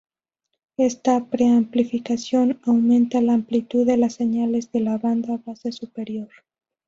Esta pre-amplificación aumenta la amplitud de las señales de la banda base superior.